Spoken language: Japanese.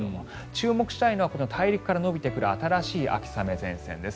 注目したいのは大陸から延びてくる新しい秋雨前線です。